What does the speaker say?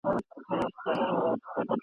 مشر ورور ویل دا هیڅ نه سي کېدلای !.